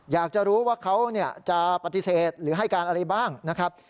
อยากจะรู้ว่าเขาจะปฏิเสธหรือให้การอะไรบ้างนะครับ